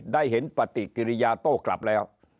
ได้เห็นปฏิกิริยาโต้กลับแล้ว